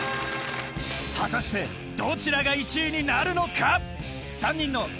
果たしてどちらが１位になるのか？